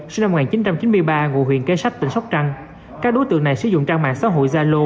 sinh năm một nghìn chín trăm chín mươi ba ngụ huyện kế sách tỉnh sóc trăng các đối tượng này sử dụng trang mạng xã hội zalo